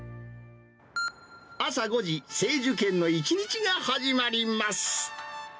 朝５時、清寿軒の一日が始まります。